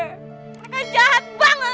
mereka jahat banget